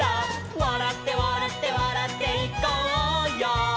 「わらってわらってわらっていこうよ」